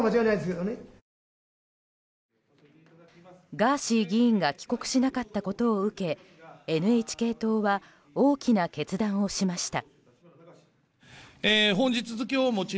ガーシー議員が帰国しなかったことを受けＮＨＫ党は大きな決断をしました。